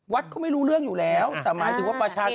เขาไม่รู้เรื่องอยู่แล้วแต่หมายถึงว่าประชาชน